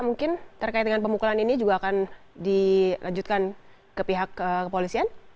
mungkin terkait dengan pemukulan ini juga akan dilanjutkan ke pihak kepolisian